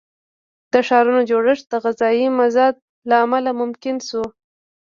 د ښارونو جوړښت د غذایي مازاد له امله ممکن شو.